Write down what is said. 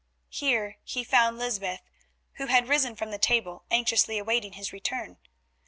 Here he found Lysbeth, who had risen from the table anxiously awaiting his return.